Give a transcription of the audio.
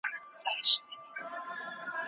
وايي چي پرمختګ وخت غواړي.